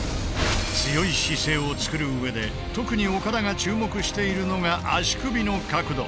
強い姿勢を作る上で特に岡田が注目しているのが足首の角度。